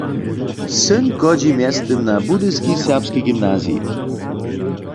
Syn chodźi mjeztym na Budyski Serbski gymnazij.